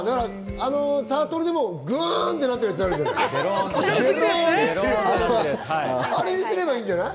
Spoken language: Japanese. タートルでもデロンってなってるやつあるじゃない。